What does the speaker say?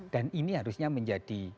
dan ini harusnya menjadi